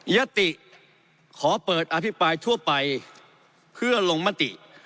ยติขอเปิดอภิปรายทั่วไปเพื่อลงมติ